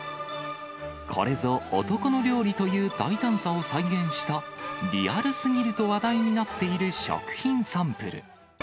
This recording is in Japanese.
これぞ男の料理という大胆さを再現した、リアルすぎると話題になっている食品サンプル。